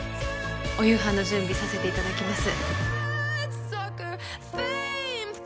お夕飯の準備させていただきます